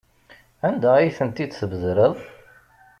Anda ay ten-id-tbedreḍ?